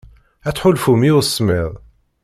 Ad tḥulfumt i usemmiḍ.